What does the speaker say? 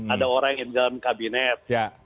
ada orang yang di dalam kabinet